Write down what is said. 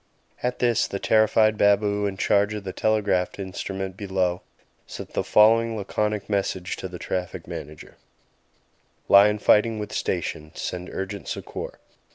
At this the terrified baboo in charge of the telegraph instrument below sent the following laconic message to the Traffic Manager: "Lion fighting with station. Send urgent succour."